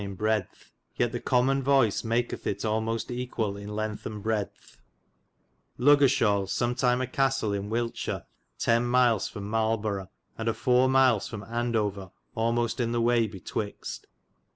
in bredthe, yet the comon voice makethe it almoste egale in lengthe and bredthe. LuggershauU sumtyme a castle in Wileshire 10. miles from Marleborow, and a 4. miles from Andover almoste in the waye betwixt.